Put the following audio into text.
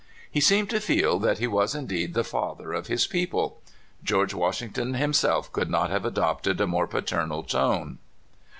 He seemed to feel that he was indeed the father of his people. George Wash ington himself could not have adopted a more paternal tone.